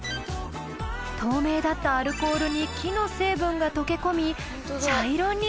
透明だったアルコールに木の成分が溶け込み茶色に。